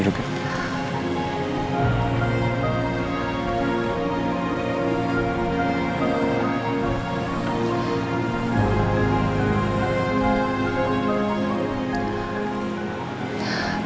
sayang diri gue